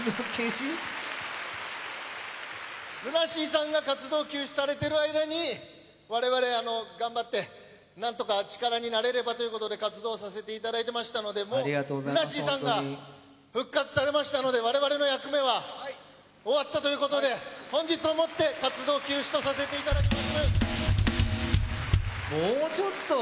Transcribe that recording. ＬＵＮＡＳＥＡさんが活動休止されてる間に我々頑張ってなんとか力になれればという事で活動させていただいてましたのでもうＬＵＮＡＳＥＡさんが復活されましたので我々の役目は終わったという事で本日をもって活動休止とさせていただきます。